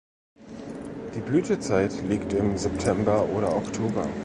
Die Blütezeit liegt im September oder Oktober.